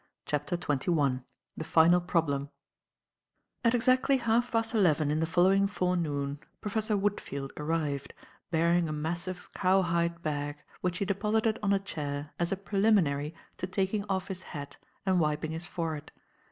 CHAPTER XXI THE FINAL PROBLEM AT exactly half past eleven in the following forenoon, Professor Woodfield arrived, bearing a massive cowhide bag which he deposited on a chair as a preliminary to taking off his hat and wiping his forehead.